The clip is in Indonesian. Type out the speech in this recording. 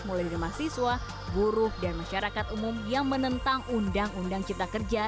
mulai dari mahasiswa buruh dan masyarakat umum yang menentang undang undang cipta kerja